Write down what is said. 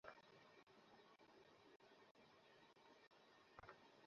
তারা আল-কায়েদার দ্বারা দ্বিতীয় শ্রেণির জিহাদি হিসেবে বিবেচিত হতে কখনোই চাইবে না।